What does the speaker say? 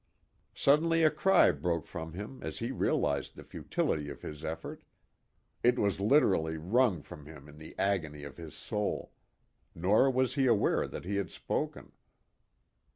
Suddenly a cry broke from him as he realized the futility of his effort. It was literally wrung from him in the agony of his soul; nor was he aware that he had spoken.